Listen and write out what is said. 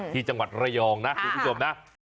ที่จังหวัดระยองนะคุณผู้ชมนะ